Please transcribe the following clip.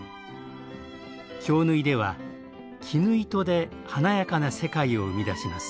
京繍では絹糸で華やかな世界を生み出します。